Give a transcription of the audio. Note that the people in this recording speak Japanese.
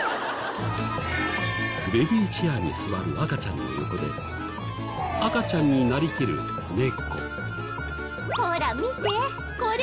ベビーチェアに座る赤ちゃんの横で赤ちゃんになりきる猫。